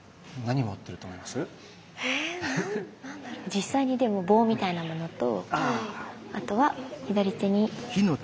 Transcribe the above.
実際に棒みたいなものとあとは左手に。